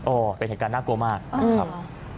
เป็นเหตุการณ์น่ากลัวมากนะครับ